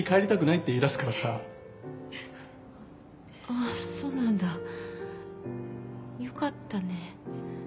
あっそうなんだ良かったね。